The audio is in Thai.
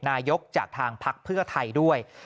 นายกจากทางภักดิ์เพื่อไทยด้วย